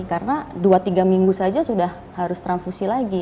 karena dua tiga minggu saja sudah harus transfusi lagi